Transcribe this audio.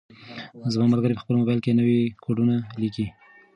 زما ملګری په خپل موبایل کې نوي کوډونه لیکي.